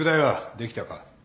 できたか？